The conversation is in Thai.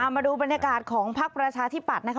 มาดูบรรยากาศของภักดิ์ประชาที่ปัดนะคะ